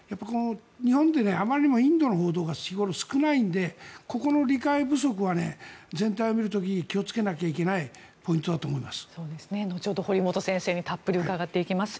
日本ってインドの報道が日頃、少ないのでここの理解不足は全体を見る時気をつけなきゃいけないポイントだと思います。